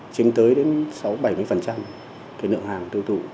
chiếm tới đến sáu mươi bảy mươi nượng hàng tiêu thụ